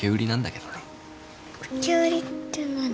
受け売りって何？